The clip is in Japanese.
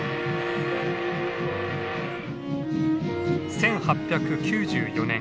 １８９４年